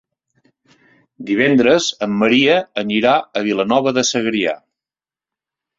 Divendres en Maria anirà a Vilanova de Segrià.